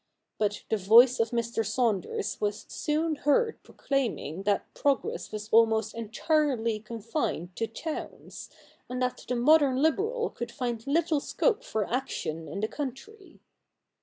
But the voice of Mr. Saunders was soon heard proclaiming that progress was almost entirely confined to towns, and that the modern liberal could find little scope for action in the country.